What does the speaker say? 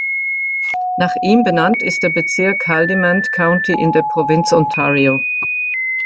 Nach ihm benannt ist der Bezirk Haldimand County in der Provinz Ontario.